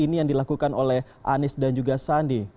ini yang dilakukan oleh anies dan juga sandi